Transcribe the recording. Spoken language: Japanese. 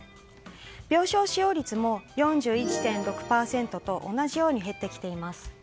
病床使用率も４１．６％と同じように減ってきています。